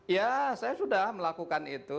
ya saya sudah melakukan itu